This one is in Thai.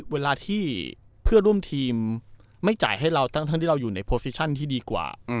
เวลาที่เพื่อนร่วมทีมไม่จ่ายให้เราทั้งที่เราอยู่ในโปรซิชั่นที่ดีกว่า